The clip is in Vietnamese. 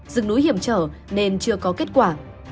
rừng núi hiểm trở nên chưa có kết quả